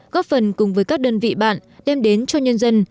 góp phần cùng với các đơn vị bạn đem đến cho nhân dân